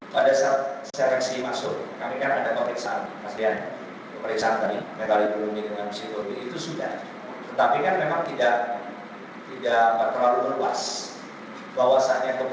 penilaian yang dilakukan tidak ditemukan adanya keraguan kepada enzo dan seluruh taruna lain yang diterima beberapa waktu lalu